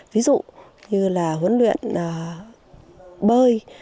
ví dụ như là huấn luyện bơi